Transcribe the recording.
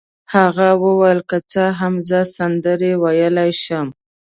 هغه وویل: که څه هم زه سندرې ویلای شم.